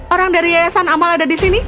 orang dari yayasan amal ada di sini